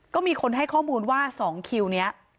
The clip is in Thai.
ก็มีคนให้ข้อมูลว่า๒คิวนี้